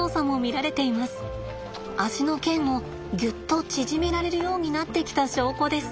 足の腱をぎゅっと縮められるようになってきた証拠です。